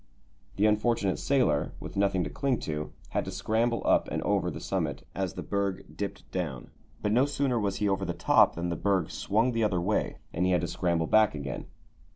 The unfortunate sailor, with nothing to cling to, had to scramble up and over the summit as the berg dipped down; but no sooner was he over the top than the berg swung the other way, and he had to scramble back again.